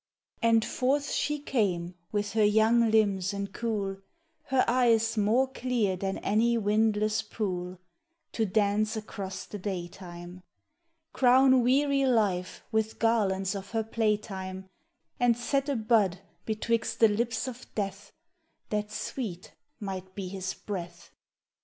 And forth she came with her young limbs and cool, Her eyes more clear than any windless pool, To dance across the day time, Crown weary life with garlands of her play time, And set a bud betwixt the lips of Death That sweet might be his breath.